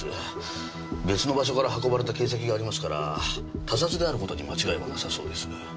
別の場所から運ばれた形跡がありますから他殺であることに間違いはなさそうです。